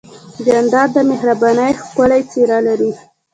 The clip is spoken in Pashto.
جانداد د مهربانۍ ښکلی څېرہ لري.